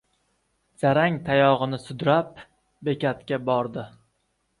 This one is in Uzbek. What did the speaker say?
Zarang tayog‘ini sudrab, bekatga bordi.